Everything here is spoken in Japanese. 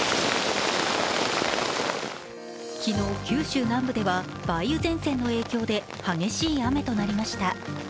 昨日、九州南部では梅雨前線の影響で激しい雨となりました。